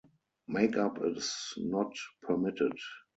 Make up is not permitted.